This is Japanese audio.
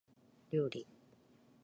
料理